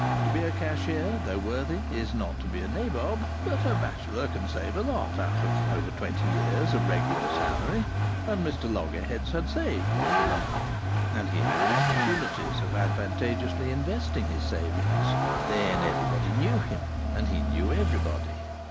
To be a cashier, though worthy, is not to be a nabob, but a bachelor can save a lot out of over twenty years of regular salary. And Mr Loggerheads had saved quite a lot. And he had had opportunities of advantageously investing his savings. Then everybody knew him, and he knew everybody.